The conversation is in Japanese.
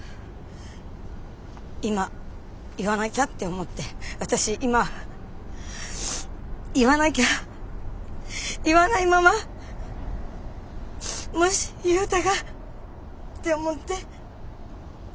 今言わなきゃって思って私今言わなきゃ言わないままもし雄太がって思って。